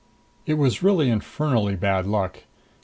9 It was really infernally bad luck!